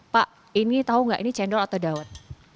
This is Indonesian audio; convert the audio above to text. pak ini tau gak ini cendol atau dawat